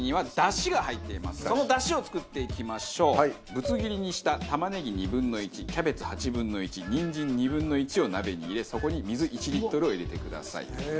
ぶつ切りにした玉ねぎ２分の１キャベツ８分の１にんじん２分の１を鍋に入れそこに水１リットルを入れてくださいと。